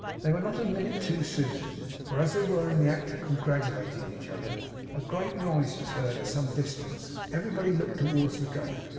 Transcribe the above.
They were not a minute too soon, for as they were in the act of congratulating each other, a great noise was heard at some distance, and everybody looked towards the gate.